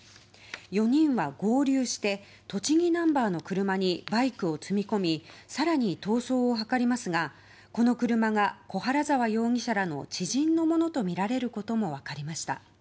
４人は合流して栃木ナンバーの車にバイクを積み込み更に逃走を図りますがこの車が小原澤容疑者らの知人のものとみられることも分かりました。